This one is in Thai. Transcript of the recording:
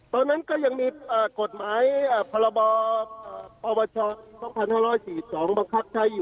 ตอนนั้นก็ยังมีกฎหมายพรบปวช๒๕๔๒บังคับใช้อยู่